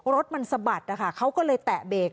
รถมันสะบัดนะคะเขาก็เลยแตะเบรก